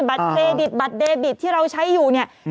บัตรเครดิตบัตรเดบิตที่เราใช้อยู่เนี่ย